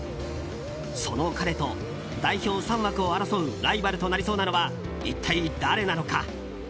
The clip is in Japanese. その彼と代表３枠を争うライバルとなりそうなのは一体、誰なのか。